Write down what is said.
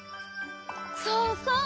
そうそう！